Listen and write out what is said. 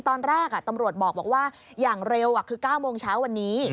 ตอนแรกตำรวจบอกว่าอย่างเร็วคือ๙โมงเช้าวันนี้